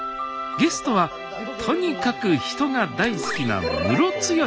ゲストはとにかく人が大好きなムロツヨシさん。